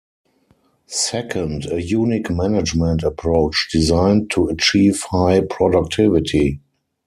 Second, a unique management approach designed to achieve high productivity.